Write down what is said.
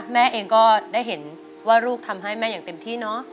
แม่เองก็ได้เห็นว่าลูกทำให้แม่อย่างเต็มที่เนอะ